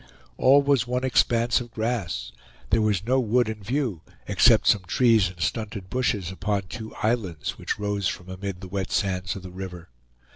All was one expanse of grass; there was no wood in view, except some trees and stunted bushes upon two islands which rose from amid the wet sands of the river.